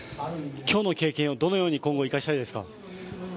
今日の経験をどのように今後、生かしたいですか？